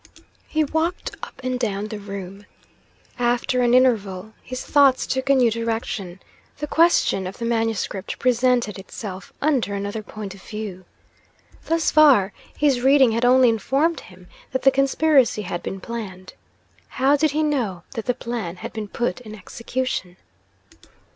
He walked up and down the room. After an interval, his thoughts took a new direction; the question of the manuscript presented itself under another point of view. Thus far, his reading had only informed him that the conspiracy had been planned. How did he know that the plan had been put in execution?